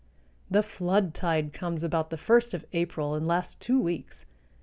The flood tide comes about the first of April and lasts two weeks.